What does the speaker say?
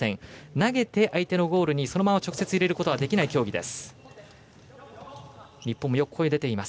投げて相手のゴールにそのまま直接入れることはできない競技です。